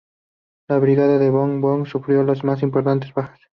La brigada de von Bock sufrió las más importantes bajas.